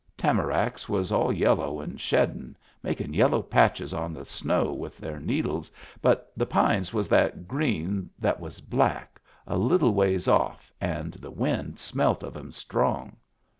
Tamaracks was all yello* and sheddin*, makin' yello' patches on the snow with their needles, but the pines was that green they was black a little ways off, and the wind smelt of *em strong.